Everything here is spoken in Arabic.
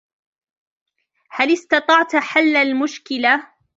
هل استطعت حل المشكلة ؟